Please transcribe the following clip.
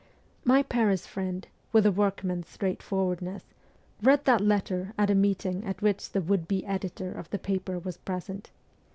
My Paris friend, with a workman's straightforwardness, read that letter at a meeting at which the would be editor of the paper was present.